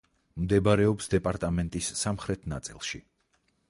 მდებარეობს დეპარტამენტის სამხრეთ ნაწილში.